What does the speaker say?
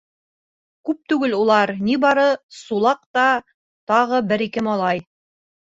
Күп түгел улар, ни бары Сулаҡ та тағы бер-ике малай.